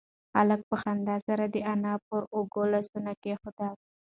هلک په خندا سره د انا پر اوږو لاسونه کېښودل.